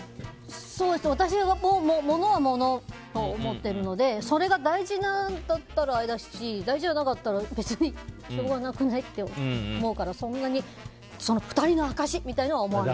私は物は物と思ってるのでそれが大事なんだったらあれだし大事じゃないんだったら別に、しょうがなくないって思うからそんなに２人の証しみたいなのは思わない。